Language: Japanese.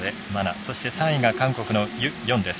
そして３位が韓国のユ・ヨンです。